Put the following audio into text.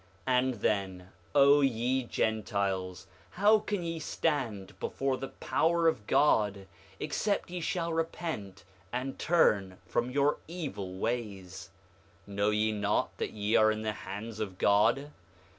5:22 And then, O ye Gentiles, how can ye stand before the power of God, except ye shall repent and turn from your evil ways? 5:23 Know ye not that ye are in the hands of God?